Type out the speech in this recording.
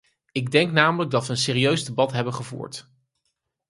Ik denk namelijk dat we een serieus debat hebben gevoerd.